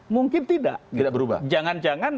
mungkin tidak jangan jangan